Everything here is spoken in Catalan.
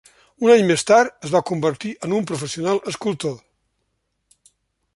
Un any més tard es va convertir en un professional escultor.